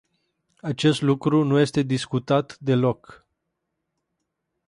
Acest lucru nu este discutat deloc.